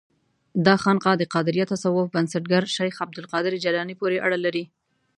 دا خانقاه د قادریه تصوف بنسټګر شیخ عبدالقادر جیلاني پورې اړه لري.